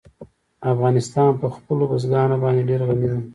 افغانستان په خپلو بزګانو باندې ډېر غني دی.